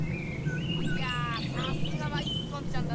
いやさすがは一村ちゃんだな。